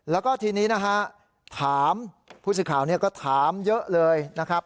แล้วก็ทีนี้นะฮะถามผู้สื่อข่าวก็ถามเยอะเลยนะครับ